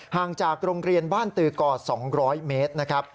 ห่างจากโรงเรียนบ้านตือกร๒๐๐เมตร